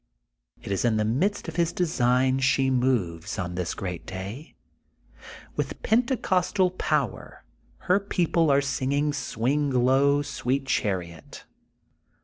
It is in the midst of his designs she moves, on this great day. With Pentecostal power her people are sing ing Swing Low, Sweet Chariot.